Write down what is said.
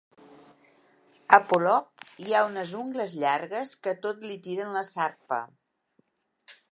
A Polop hi ha ungles llargues que a tot li tiren la sarpa.